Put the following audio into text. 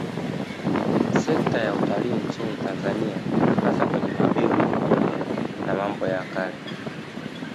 Sekta ya Utalii nchini Tanzania hasa kwenye mabingwa wa mambo ya kale